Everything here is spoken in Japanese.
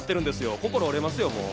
心折れますよ。